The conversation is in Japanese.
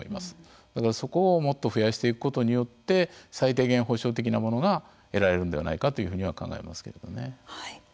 だから、そこをもっと増やしていくことによって最低限補償的なものが得られるのではないかというふうには考えますけれどね。